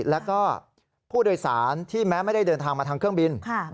แล้วก็ผู้โดยสารที่แม้ไม่ได้เดินทางมาทางเครื่องบิน